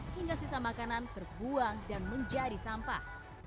hingga sisa makanan terbuang dan menjadi sampah